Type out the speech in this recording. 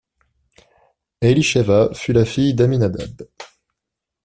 Elisheva fut la fille d'Amminadab.